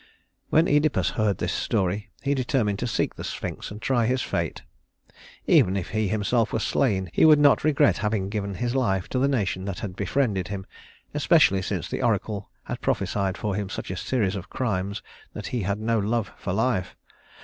When Œdipus heard this story, he determined to seek the Sphinx and try his fate. Even if he himself were slain, he would not regret having given his life to the nation that had befriended him, especially since the oracle had prophesied for him such a series of crimes that he had no love for life.